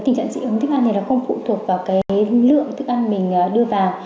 tình trạng dị ứng thức ăn này nó không phụ thuộc vào cái lượng thức ăn mình đưa vào